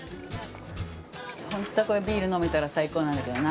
本当はこれビール飲めたら最高なんだけどな。